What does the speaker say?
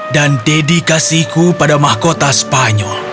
dan dedikasiku pada mahkota spanyol